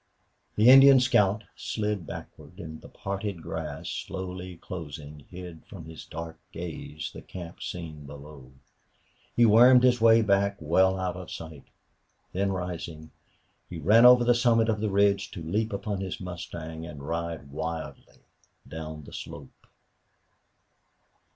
The Indian scout slid backward, and the parted grass, slowly closing, hid from his dark gaze the camp scene below. He wormed his way back well out of sight; then rising, he ran over the summit of the ridge to leap upon his mustang and ride wildly down the slope.